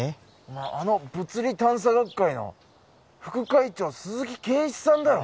あの物理探査学会の副会長鈴木敬一さんだろ